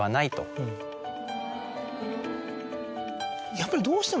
やっぱりどうしても。